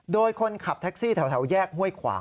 โดยคนขับแท็กซี่แถวแยกห้วยขวาง